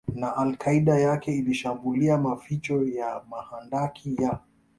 na Al Qaeda yake ilishambulia maficho ya mahandaki ya